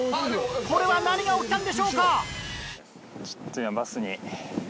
これは何が起きたんでしょうか？